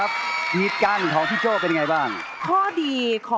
กีดกันด้วยเวลาฉันยินดีรอ